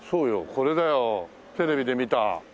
これだよテレビで見た。